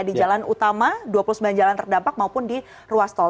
di jalan utama dua puluh sembilan jalan terdampak maupun di ruas tol